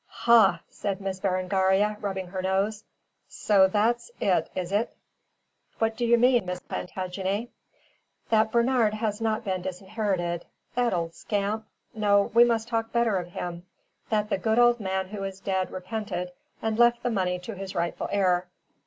"Ha!" said Miss Berengaria, rubbing her nose. "So that's it, is it?" "What do you mean, Miss Plantagenet?" "That Bernard has not been disinherited. That old scamp no, we must talk better of him that the good old man who is dead repented and left the money to his rightful heir.